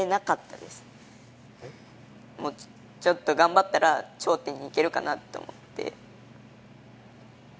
もうちょっと頑張ったら頂点に行けるかなと思って。